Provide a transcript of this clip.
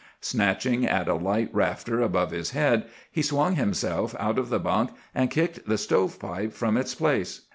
Snatching at a light rafter above his head, he swung himself out of the bunk, and kicked the stovepipe from its place.